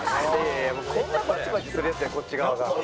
こんなバチバチするやつこっち側が。